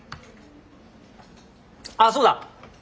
あっそうだ！